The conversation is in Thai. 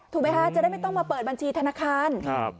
ถูกไหมคะจะได้ไม่ต้องมาเปิดบัญชีธนาคาร